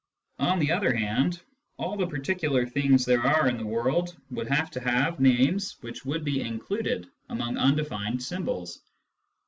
On the other hand, all the particular things there are in the world would have to have names which would be included among undefined symbols.